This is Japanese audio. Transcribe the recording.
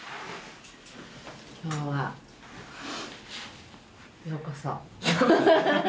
今日はようこそ。